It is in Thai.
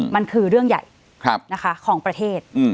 มันคือเรื่องใหญ่ของประเทศ